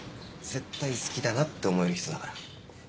絶対好きだなって思える人だから。